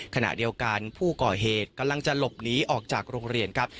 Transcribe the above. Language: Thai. ขณะเดียวกันผู้ก่อเหตุกำลังจะหลบหนีออกจากโรงเรียนครับ